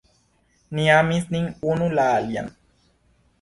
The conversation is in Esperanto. Ni amis nin unu la alian.